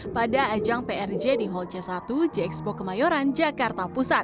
pada ajang prj di hall c satu jxpo kemayoran jakarta pusat